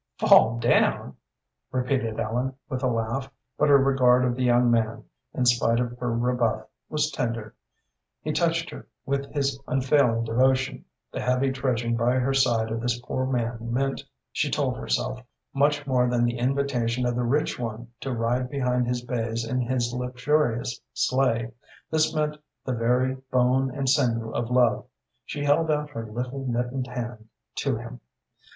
"Fall down!" repeated Ellen, with a laugh, but her regard of the young man, in spite of her rebuff, was tender. He touched her with his unfailing devotion; the heavy trudging by her side of this poor man meant, she told herself, much more than the invitation of the rich one to ride behind his bays in his luxurious sleigh. This meant the very bone and sinew of love. She held out her little, mittened hand to him.